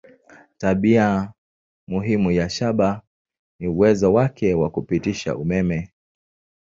Tabia muhimu ya shaba ni uwezo wake wa kupitisha umeme.